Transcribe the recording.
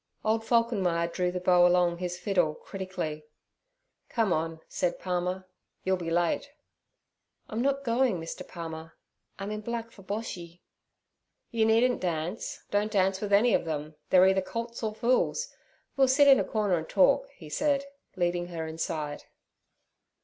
Old Falkenmeyer drew the bow along his fiddle critically. 'Come on' said Palmer, 'you'll be late.' 'I'm not going, Mr. Palmer; I'm in black for Boshy.' 'You needn't dance, don't dance with any of them, they're either colts or fools. We'll sit in a corner and talk' he said, leading her inside.